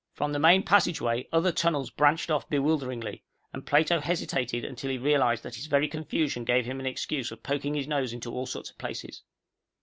From the main passageway, other tunnels branched off bewilderingly, and Plato hesitated until he realized that his very confusion gave him an excuse for poking his nose into all sorts of places.